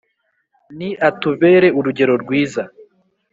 ni atubere urugero rwiza